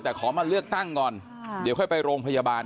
แต่ขอมาเลือกตั้งก่อนเดี๋ยวค่อยไปโรงพยาบาล